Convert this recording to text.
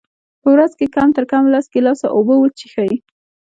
په ورځ کي کم ترکمه لس ګیلاسه اوبه وچیښئ